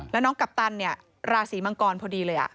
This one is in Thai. แล้วน้องกัปตันเนี่ยราศีมังกรพอดีเลย